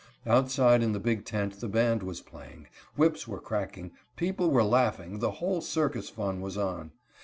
Outside in the big tent the band was playing; whips were cracking; people were laughing; the whole circus fun was on.